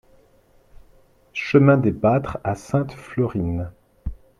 Chemin des Pâtres à Sainte-Florine